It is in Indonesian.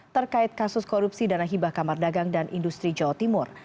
terkait kasus korupsi dana hibah kamar dagang dan industri jawa timur